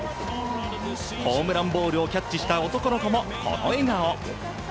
ホームランボールをキャッチした男の子もこの笑顔。